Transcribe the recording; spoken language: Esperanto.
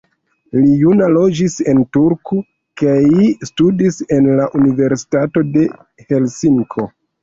Li juna loĝis en Turku kaj studis en la Universitato de Helsinko.